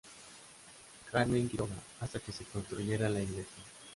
Carmen Quiroga, hasta que se construyera la Iglesia.